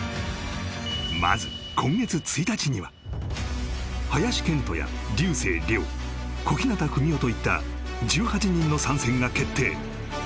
まず今月１日には林遣都や竜星涼小日向文世といった１８人の参戦が決定